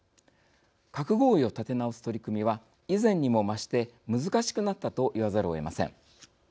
核合意を立て直す取り組みは以前にも増して難しくなったと言わざるをえません。